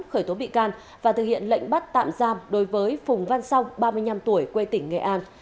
khởi tố bị can và thực hiện lệnh bắt tạm giam đối với phùng văn song ba mươi năm tuổi quê tỉnh nghệ an